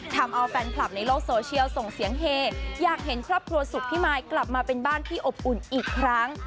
ทำเอาแฟนคลับในโลกโซเชียลส่งเสียงเฮอยากเห็นครอบครัวสุขพี่มายกลับมาเป็นบ้านที่อบอุ่นอีกครั้ง